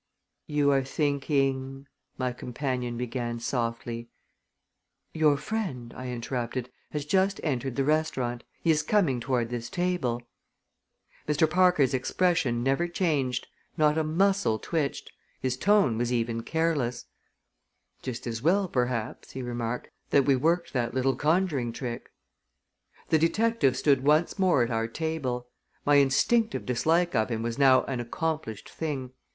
"You are thinking !" my companion began softly. "Your friend," I interrupted, "has just entered the restaurant. He is coming toward this table." Mr. Parker's expression never changed. Not a muscle twitched. His tone was even careless. "Just as well, perhaps," he remarked, "that we worked that little conjuring trick." The detective stood once more at our table. My instinctive dislike of him was now an accomplished thing.